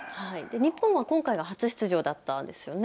日本は今回が初出場だったんですよね。